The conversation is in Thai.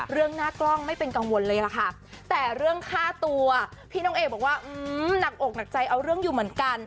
เรื่องหน้ากล้องไม่เป็นกังวลเลยล่ะค่ะแต่เรื่องค่าตัวพี่น้องเอบอกว่าหนักอกหนักใจเอาเรื่องอยู่เหมือนกัน